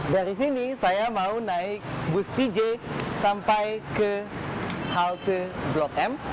dari sini saya mau naik bus pj sampai ke halte blok m